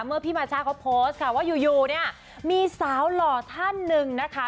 เมื่อพี่มาช่าเขาโพสต์ค่ะว่าอยู่เนี่ยมีสาวหล่อท่านหนึ่งนะคะ